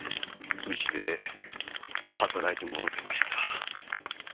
うちで働いてもろてました。